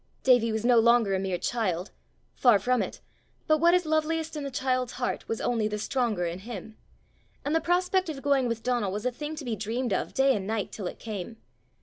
Davie was no longer a mere child far from it; but what is loveliest in the child's heart was only the stronger in him; and the prospect of going with Donal was a thing to be dreamed of day and night till it came!